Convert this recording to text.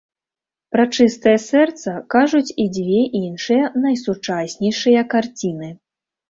Пра чыстае сэрца кажуць і дзве іншыя найсучаснейшыя карціны.